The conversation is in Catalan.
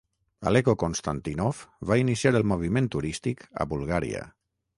Aleko Konstantinov va iniciar el moviment turístic a Bulgària.